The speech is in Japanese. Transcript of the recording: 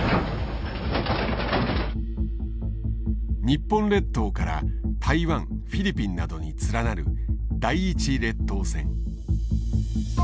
日本列島から台湾フィリピンなどに連なる第１列島線。